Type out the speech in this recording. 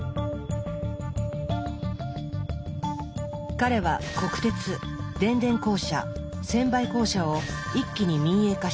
彼は国鉄電電公社専売公社を一気に民営化したのです。